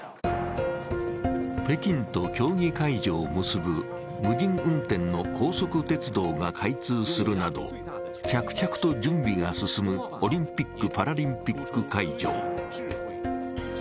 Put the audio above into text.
北京と競技会場を結ぶ無人運転の高速鉄道が開通するなど着々と準備が進むオリンピック・パラリンピック会場。